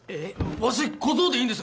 わし小僧でいいんです